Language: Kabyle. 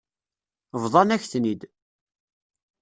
Bḍan-ak-ten-id.